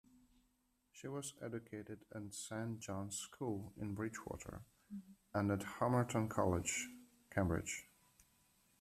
She was educated at Saint John's School in Bridgwater, and at Homerton College, Cambridge.